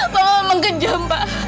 bapak memang kejam pak